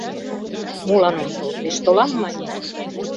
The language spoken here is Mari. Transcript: — Молан ом тол, пеш толам, — мане.